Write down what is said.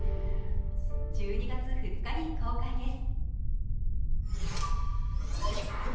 １２月２日に公開です。